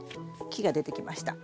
木が出てきました。